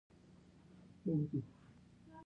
د امنیت د شورا دنده د سولې ساتل دي.